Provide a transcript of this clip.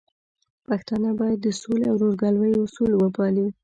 پښتانه بايد د سولې او ورورګلوي اصول وپالي.